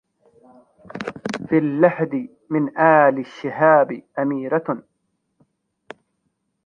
في اللحد من آل الشهاب أميرة